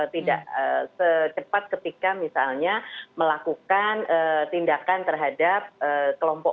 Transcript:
tidak secepat ketika misalnya melakukan tindakan terhadap kelompok